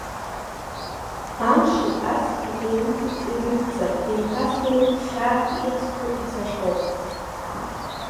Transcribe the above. Амши аҵхи еилыҵырц егьрыгӡам, еиҭасныруеит хьаак, ииасхьоу, ицахьоу.